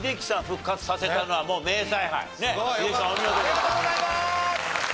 ありがとうございます！